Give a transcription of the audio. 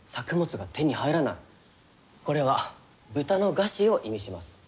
これは豚の餓死を意味します。